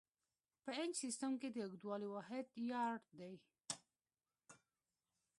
په انچ سیسټم کې د اوږدوالي واحد یارډ دی.